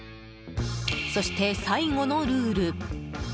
そして最後のルール。